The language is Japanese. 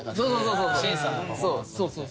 そうそう。